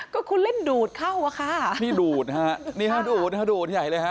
ก็คุณเล่นดูดเข้าอ่ะค่ะนี่ดูดฮะนี่ฮะดูดนะฮะดูดใหญ่เลยฮะ